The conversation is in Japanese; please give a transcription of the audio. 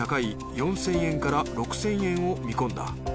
４０００円から６０００円を見込んだ。